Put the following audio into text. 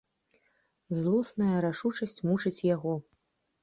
Злосная рашучасць мучыць яго.